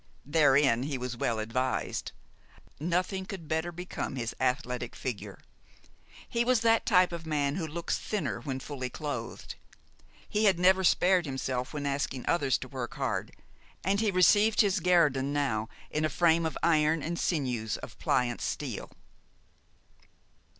Therein he was well advised. Nothing could better become his athletic figure. He was that type of man who looks thinner when fully clothed. He had never spared himself when asking others to work hard, and he received his guerdon now in a frame of iron and sinews of pliant steel.